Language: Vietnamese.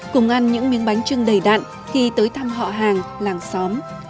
cùng ăn những miếng bánh trưng đầy đạn khi tới thăm họ hàng làng xóm